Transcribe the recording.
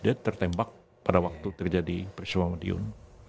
dia tertembak pada waktu terjadi perjuangan di un